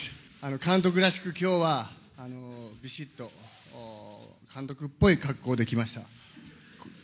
監督らしくきょうは、びしっと、監督っぽい格好で来ました。